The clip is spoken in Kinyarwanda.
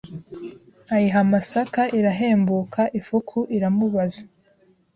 ayiha amasaka irahembuka Ifuku iramubaza